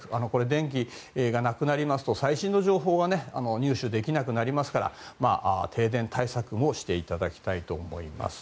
電気がなくなりますと最新の情報が入手できなくなりますから停電対策もしていただきたいと思います。